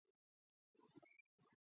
ბუდობენ მიწაზე, ხეებზე ან ბუჩქებზე.